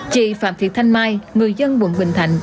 chị phạm thị thanh mai người dân quận bình thạnh